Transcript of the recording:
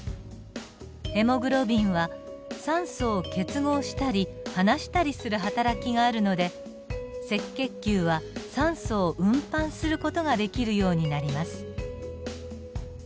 ヘモグロビンは酸素を結合したり離したりするはたらきがあるので赤血球は酸素を運搬する事ができるようになります。